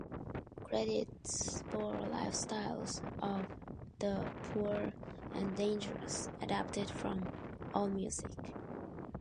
Credits for "Lifestylez of da Poor and Dangerous" adapted from Allmusic.